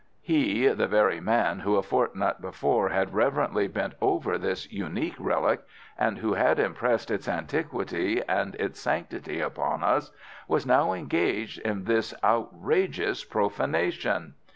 He, the very man who a fortnight before had reverently bent over this unique relic, and who had impressed its antiquity and its sanctity upon us, was now engaged in this outrageous profanation.